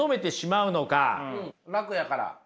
楽やから。